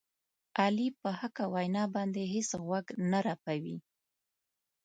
علي په حقه وینا باندې هېڅ غوږ نه رپوي.